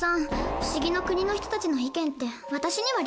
不思議の国の人たちの意見って私には理解できない。